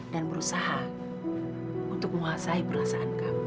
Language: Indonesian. dan berusaha untuk menguasai perasaan kamu